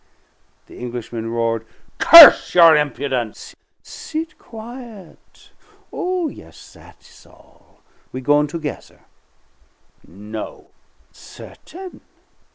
The Englishman roared, "Curse your impudence!" "Sit quiet. Oh, yes, that's all; we goin' together." "No!" "Certain.